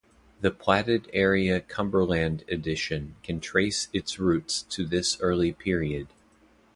The platted area Cumberland Addition can trace its roots to this early period.